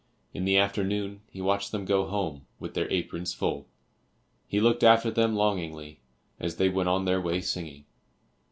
In the afternoon he watched them go home with their aprons full; he looked after them longingly as they went on their way singing.